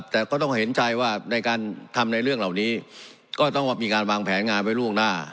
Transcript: แต่ก็ต้องเห็นใจว่าในการทำในเรื่องเหล่านี้ก็ต้องมีการวางแผนงานไว้ล่วงหน้า